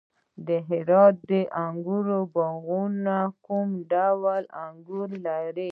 د هرات د انګورو باغونه کوم ډول انګور لري؟